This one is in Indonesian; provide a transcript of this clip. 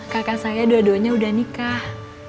kakak saya dua duanya udah nikah